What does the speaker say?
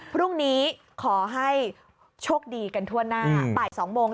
พรุ่งนี้ขอให้โชคดีกันทั่วหน้าบ่าย๒โมง